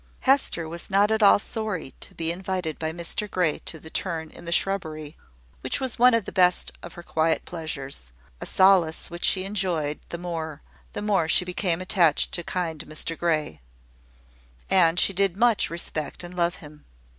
Hester was not at all sorry to be invited by Mr Grey to the turn in the shrubbery, which was one of the best of her quiet pleasures, a solace which she enjoyed the more, the more she became attached to kind Mr Grey: and she did much respect and love him.